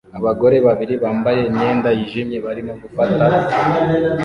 Abagore babiri bambaye imyenda yijimye barimo gufata ifoto